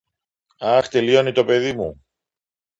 Αχ, τελειώνει το παιδί μου!